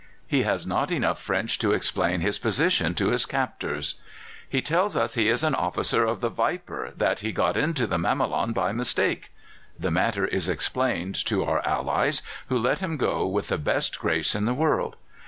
He has not enough French to explain his position to his captors. "'He tells us he is an officer of the Viper, that he got into the Mamelon by mistake.' The matter is explained to our allies, who let him go with the best grace in the world.